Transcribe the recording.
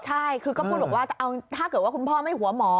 ใช่คือก็พูดบอกว่าเอาถ้าเกิดว่าคุณพ่อไม่หัวหมอ